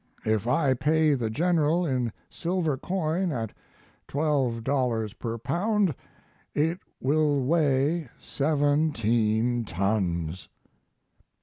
If I pay the General in silver coin at $12 per pound it will weigh seventeen tons.